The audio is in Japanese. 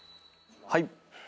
はい。